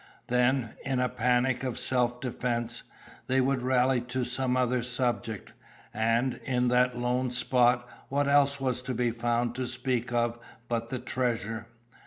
Then, in a panic of self defence, they would rally to some other subject. And, in that lone spot, what else was to be found to speak of but the treasure?